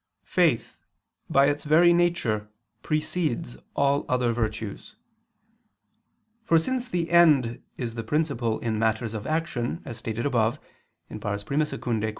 Faith, by its very nature, precedes all other virtues. For since the end is the principle in matters of action, as stated above (I II, Q.